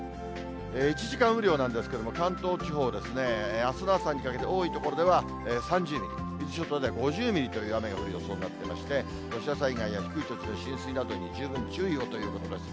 １時間雨量なんですけれども、関東地方ですね、あすの朝にかけて、多い所では３０ミリ、伊豆諸島では５０ミリという雨が降る予想になってまして、土砂災害や低い土地の浸水などに十分注意をということです。